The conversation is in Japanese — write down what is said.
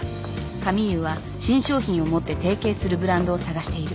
カミーユは新商品をもって提携するブランドを探している